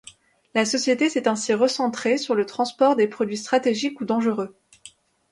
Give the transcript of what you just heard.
La société s'est ainsi recentrée sur le transport des produits stratégiques ou dangereux.